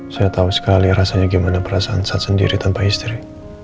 saya tahu sekali rasanya gimana perasaan saya sendiri tanpa istri